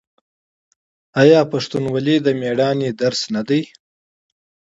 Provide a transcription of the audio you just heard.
آیا پښتونولي د میړانې درس نه دی؟